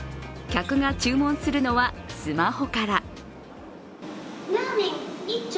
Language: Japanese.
客が注文するのはスマホから。